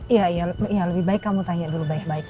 iya iya lebih baik kamu tanya dulu baik baik